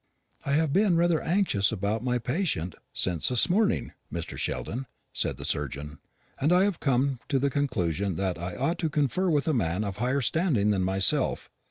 "I have been rather anxious about my patient since this morning, Mr. Sheldon," said the surgeon; "and I have come to the conclusion that I ought to confer with a man of higher standing than myself.